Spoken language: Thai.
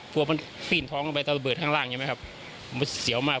กลัวว่ามันขึ้นท้องลงไปต้นต้องเบิดข้างล่างไม่มีซิลมาก